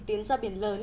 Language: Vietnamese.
tiến ra biển lớn